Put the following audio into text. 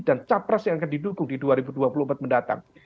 dan capres yang akan didukung di dua ribu dua puluh empat mendatang